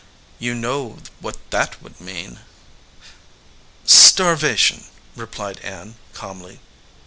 "You know what that would mean?" "Starvation," replied Ann, calmly.